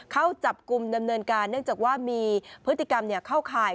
เข้าจับกลุ่มดำเนินการเนื่องจากว่ามีพฤติกรรมเข้าข่าย